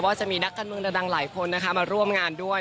จะมีนักการเมืองดังหลายคนนะคะมาร่วมงานด้วย